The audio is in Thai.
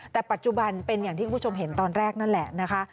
แต่ปัจจุบันเป็นอย่างที่คุณผู้ชมเห็นตอนแรกนั่นแหละนะคะ